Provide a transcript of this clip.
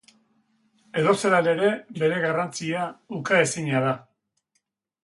Edozelan ere bere garrantzia ukaezina da.